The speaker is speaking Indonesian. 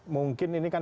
mungkin ini kan